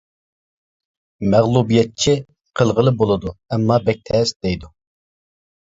مەغلۇبىيەتچى: «قىلغىلى بولىدۇ ئەمما بەك تەس» دەيدۇ.